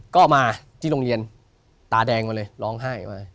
ก็มาที่โรงเรียนตาแดงมาเลยร้องไห้มา